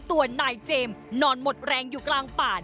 ตัวนายเจมส์นอนหมดแรงอยู่กลางป่า